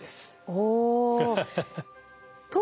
お。